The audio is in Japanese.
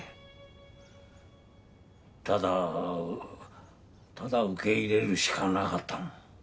ただただ受け入れるしかなかったもん。